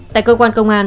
tại cơ quan công an